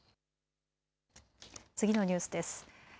次のニュースです。